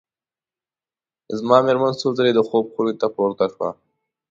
زما مېرمن څو ځلي د خوب خونې ته پورته شوه.